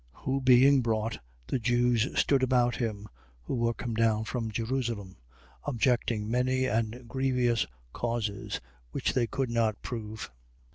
Who being brought, the Jews stood about him, who were come down from Jerusalem, objecting many and grievious causes, which they could not prove: 25:8.